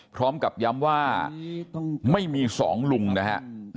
พร้อมกับย้ำว่าไม่มีสองลุงนะฮะ